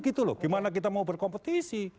gitu loh gimana kita mau berkompetisi